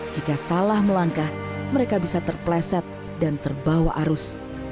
jika salah melangkah mereka bisa terpleset dan terbawa arus